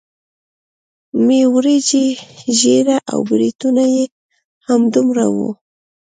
مۍ وريجې ږيره او برېتونه يې همدومره وو.